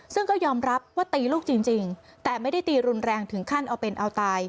ซึ่งก็ยอมรับว่าตีลูกจริงแต่ไม่ได้ตีรุนแรงถึงขั้นเอาเป็นเอาตาย